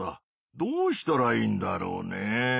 どうしたらいいんだろうね。